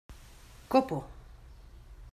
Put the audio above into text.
¡ copo!